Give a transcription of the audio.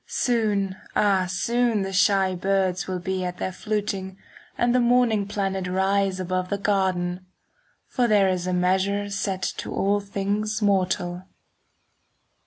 Soon, ah, soon the shy birds Will be at their fluting, And the morning planet Rise above the garden; 10 For there is a measure Set to all things mortal.